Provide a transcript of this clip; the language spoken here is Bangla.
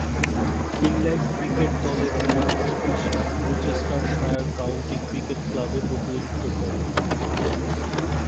ইংল্যান্ড ক্রিকেট দলে খেলার পাশাপাশি গ্লুচেস্টারশায়ার কাউন্টি ক্রিকেট ক্লাবে প্রতিনিধিত্ব করেন।